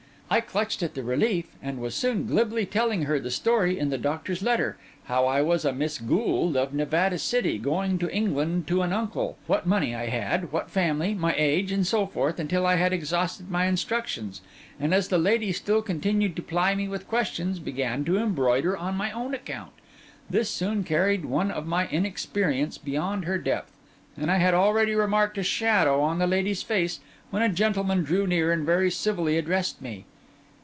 I clutched at the relief; and I was soon glibly telling her the story in the doctor's letter: how I was a Miss Gould, of Nevada City, going to England to an uncle, what money I had, what family, my age, and so forth, until I had exhausted my instructions, and, as the lady still continued to ply me with questions, began to embroider on my own account. This soon carried one of my inexperience beyond her depth; and I had already remarked a shadow on the lady's face, when a gentleman drew near and very civilly addressed me.